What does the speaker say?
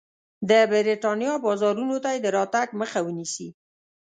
د برېټانیا بازارونو ته یې د راتګ مخه ونیسي.